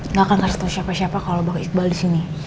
nggak akan kasih tahu siapa siapa kalau bang iqbal di sini